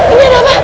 ini ada apa